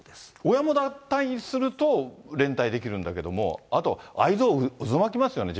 親も脱退すると連帯できるんだけれども、あと、愛三渦巻きますよね。